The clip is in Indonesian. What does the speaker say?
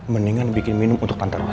mendingan bikin minum untuk tante rosa